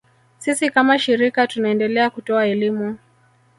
Sisi kama shirika tunaendelea kutoa elimu